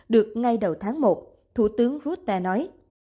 được ngay đầu tháng một thủ tướng rutte nói